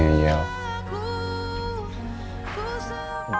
tidur bisa gue duduk disamping